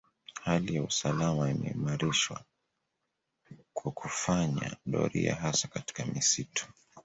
Hali ya usalama imeimarishwa kwa kufanya doria hasa katika misitu